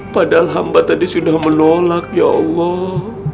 padahal hamba tadi sudah menolak ya allah